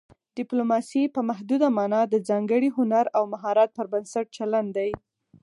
ډیپلوماسي په محدوده مانا د ځانګړي هنر او مهارت پر بنسټ چلند دی